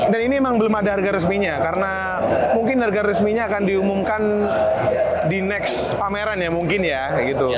dan ini emang belum ada harga resminya karena mungkin harga resminya akan diumumkan di next pameran ya mungkin ya kayak gitu